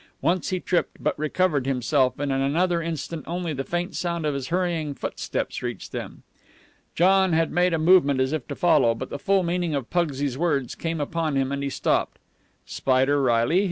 Once he tripped, but recovered himself, and in another instant only the faint sound of his hurrying footsteps reached them. John had made a movement as if to follow, but the full meaning of Pugsy's words came upon him and he stopped. "Spider Reilly?"